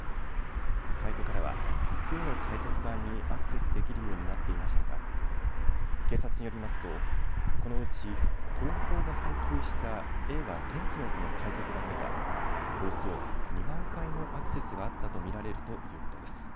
サイトからは多数の海賊版にアクセスできるようになっていましたが、警察によりますとこのうち東宝が配給した映画、天気の子の海賊版にはおよそ２万回のアクセスがあったと見られるということです。